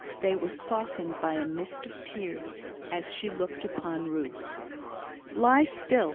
They were softened by a mist of tears as she looked upon Ruth. "Lie still!